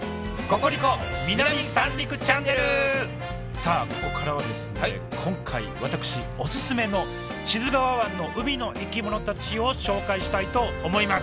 さあここからは今回私オススメの志津川湾の海の生き物たちを紹介したいと思います。